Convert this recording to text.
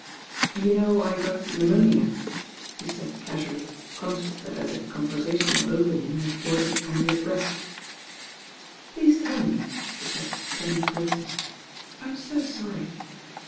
"You know I got pneumonia," he said casually, conscious that as a conversational opening it bor dered on the abrupt. "Please tell me," she said, turning towards him. "Vm so sorry."